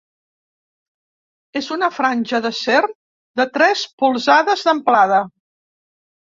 És una franja d'acer de tres polzades d'amplada.